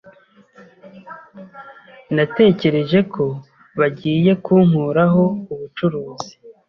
Natekereje ko bagiye kunkuraho ubucuruzi.